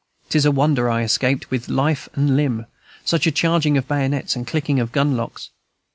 Tis a wonder I escaped with life and limb, such a charging of bayonets and clicking of gun locks.